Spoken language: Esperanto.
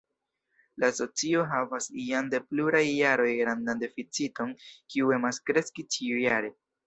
La asocio havas jam de pluraj jaroj grandan deficiton, kiu emas kreski ĉiujare.